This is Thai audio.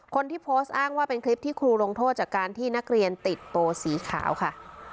คนที่โพสต์อ้างว่าเป็นคลิปที่ครูลงโทษจากการที่นักเรียนติดโปสีขาวค่ะ